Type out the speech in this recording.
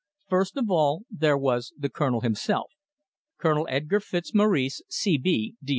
First of all there was the Colonel himself, Colonel Edgar Fitzmaurice, C.